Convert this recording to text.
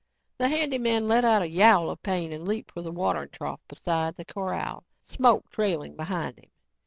The handy man let out a yowl of pain and leaped for the watering trough beside the corral, smoke trailing behind him.